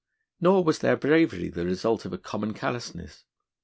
Nor was their bravery the result of a common callousness.